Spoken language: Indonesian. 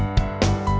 oke sampai jumpa